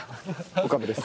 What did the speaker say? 岡部です！